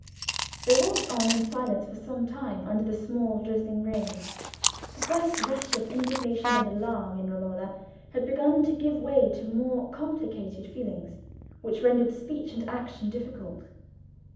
They walked on in silence for some time, under the small drizzling rain. The first rush of indignation and alarm in Romola had begun to give way to more complicated feelings, which rendered speech and action difficult.